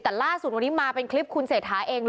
แต่ล่าสุดวันนี้มาเป็นคลิปคุณเศรษฐาเองเลย